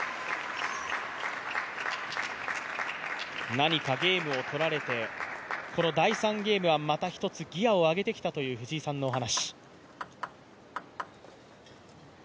何かゲームを取られて、この第３ゲームはまた一つギアを上げてきたという藤井さんのお話。